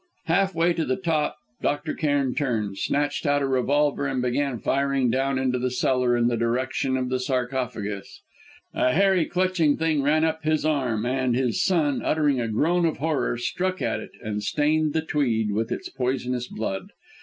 Half way to the top Dr. Cairn turned, snatched out a revolver and began firing down into the cellar in the direction of the sarcophagus. A hairy, clutching thing ran up his arm, and his son, uttering a groan of horror, struck at it and stained the tweed with its poisonous blood.